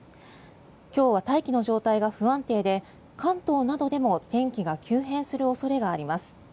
今日は大気の状態が不安定で関東などでも天気が急変する恐れがあります。